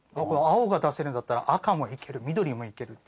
青が出せるんだったら赤もいける緑もいける。